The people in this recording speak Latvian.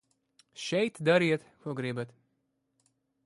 Šeit dariet, ko gribat.